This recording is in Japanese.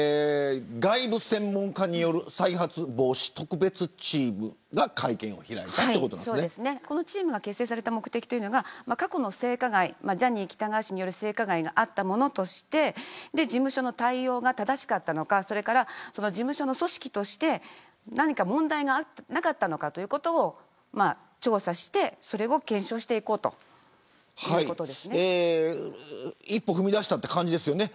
外部専門家による再発防止特別チームがこのチームが結成された目的が過去の性加害、ジャニー喜多川氏による性加害があったものとして事務所の対応が正しかったのか事務所の組織として何か問題がなかったのかということを調査してそれを検証していこう一歩踏み出したという感じですよね。